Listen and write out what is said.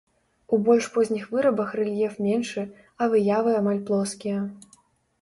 У больш позніх вырабах рэльеф меншы, а выявы амаль плоскія.